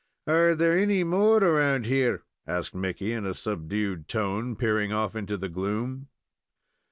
"Are there any more around here?" asked Mickey, in a subdued tone, peering off into the gloom.